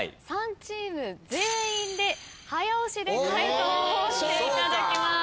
３チーム全員で早押しで解答をしていただきます。